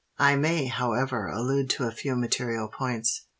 I may, however, allude to a few material points.